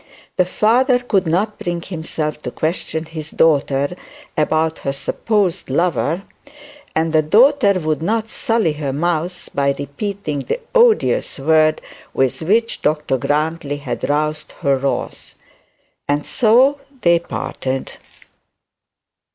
The father could not bring himself to question his daughter about her supposed lover; and the daughter would not sully her mouth by repeating the odious word with which Dr Grantly had aroused her wrath. And so they parted.